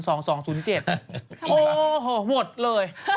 โอ้โหหมดเลย